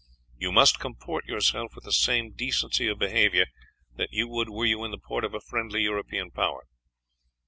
You must comport yourselves with the same decency of behavior that you would were you in the port of a friendly European Power.